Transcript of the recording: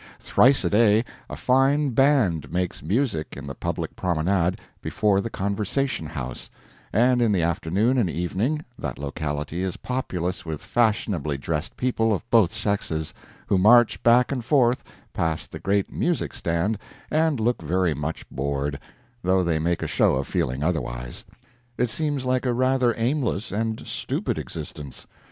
Thrice a day a fine band makes music in the public promenade before the Conversation House, and in the afternoon and evening that locality is populous with fashionably dressed people of both sexes, who march back and forth past the great music stand and look very much bored, though they make a show of feeling otherwise. It seems like a rather aimless and stupid existence.